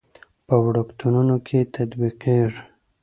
په وړکتونونو کې تطبیقېږي.